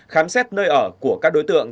khám xét nơi ở của các đối tượng